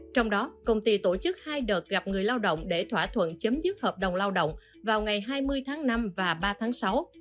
trong đó công ty tổ chức hai đợt gặp người lao động để thỏa thuận chấm dứt hợp đồng lao động vào ngày hai mươi tháng năm và ba tháng sáu